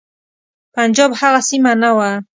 پنجاب هغه سیمه نه وه.